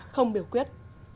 không biểu quyết